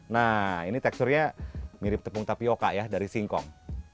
nah ini teksturnya mirip tepung tapioca ya dari singkong